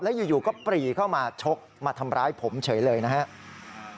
อยู่ก็ปรีเข้ามาชกมาทำร้ายผมเฉยเลยนะครับ